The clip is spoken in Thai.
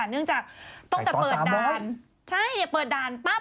เนื่องจากตั้งแต่เปิดด่านใช่เปิดด่านปั๊บ